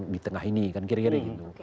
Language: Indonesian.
di tengah ini kan kira kira gitu